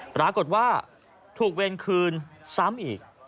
ปรากฏว่าถูกเวรคืนซ้ำอีก